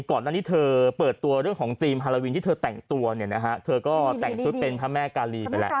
ก่อนหน้านี้เธอเปิดตัวเรื่องของธีมฮาลาวินที่เธอแต่งตัวเนี่ยนะฮะเธอก็แต่งชุดเป็นพระแม่กาลีไปแหละ